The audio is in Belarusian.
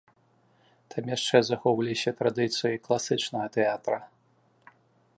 Там яшчэ захоўваліся традыцыі класічнага тэатра.